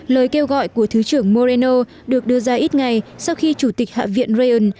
lời kêu gọi của thứ trưởng moreno được đưa ra ít ngày sau khi chủ tịch hạ viện rayan